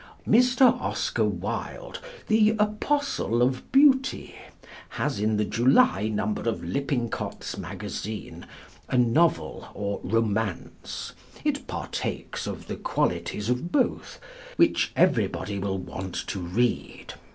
Mr. Oscar Wilde, the apostle of beauty, has in the July number of Lippincott's Magazine, a novel, or romance (it partakes of the qualities of both), which everybody will want to read.